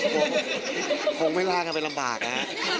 ก็คงไม่ลากันเป็นลำบากนะฮะ